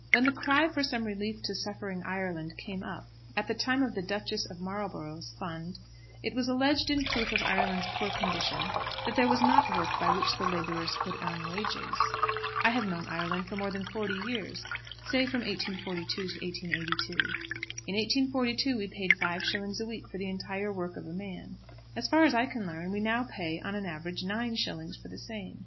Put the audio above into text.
When the cry for some relief to suffering Ireland came up, at the time of the Duchess of Marlborough's Fund, it was alleged in proof of Ireland's poor condition that there was not work by which the labourers could earn wages. I have known Ireland for more than forty years, say from 1842 to 1882. In 1842 we paid five shillings a week for the entire work of a man. As far as I can learn, we now pay, on an average, nine shillings for the same.